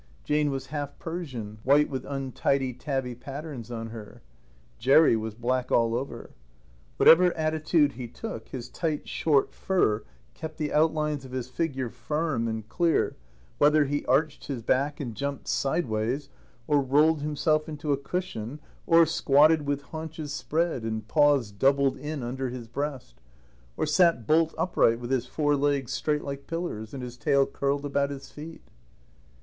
Jane was half Persian, white with untidy tabby patterns on her. Jerry was black all over. Whatever attitude he took, his tight, short fur kept the outlines of his figure firm and clear, whether he arched his back and jumped sideways, or rolled himself into a cushion, or squatted with haunches spread and paws doubled in under his breast, or sat bolt upright with his four legs straight like pillars, and his tail curled about his feet.